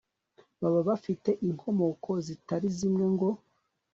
baba bafite inkomoko zitari zimwe ngo